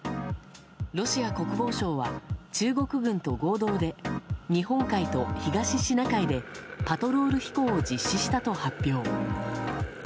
ロシア国防省は中国軍と合同で日本海と東シナ海でパトロール飛行を実施したと発表。